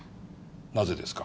なぜですか？